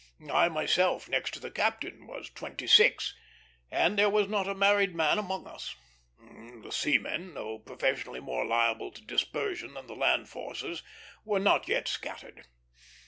I myself, next to the captain, was twenty six; and there was not a married man among us. The seamen, though professionally more liable to dispersion than the land forces, were not yet scattered.